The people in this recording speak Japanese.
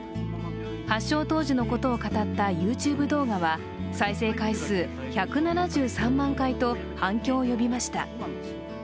発症当時のことを語ったＹｏｕＴｕｂｅ動画は再生回数１７３万回と反響を呼びました。